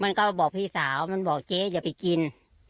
มันก็บอกพี่สาวมันบอกเจ๊อย่าไปกิน